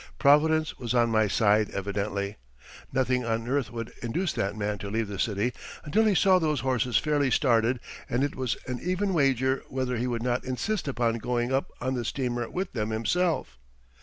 Providence was on my side evidently. Nothing on earth would induce that man to leave the city until he saw those horses fairly started and it was an even wager whether he would not insist upon going up on the steamer with them himself.